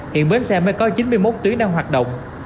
hiện bến xe mới có chín mươi một tuyến đang hoạt động